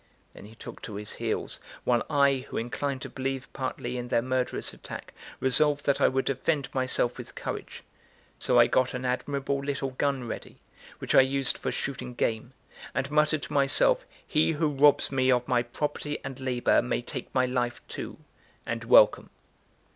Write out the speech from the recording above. Then he took to his heels; while I, who inclined to believe partly in their murderous attack, resolved that I would defend myself with courage. So I got an admirable little gun ready, which I used for shooting game, and muttered to myself: "He who robs me of my property and labour may take my life too, and welcome."